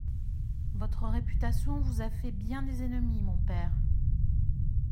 Votre réputation vous a fait bien des ennemis, mon père…